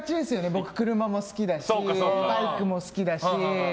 僕、車も好きだしバイクも好きだし。